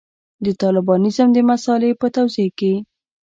د طالبانیزم د مسألې په توضیح کې.